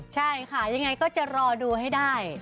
ใช่ค่ะยังไงก็จะรอดูให้ได้